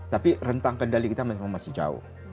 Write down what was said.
tapi rentang kendali kita memang masih jauh